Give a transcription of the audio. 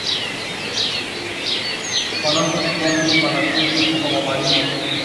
The New York City Department of Education operates several public schools in the area.